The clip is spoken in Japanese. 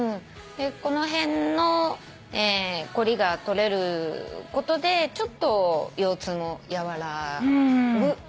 この辺の凝りが取れることでちょっと腰痛も和らぐようです。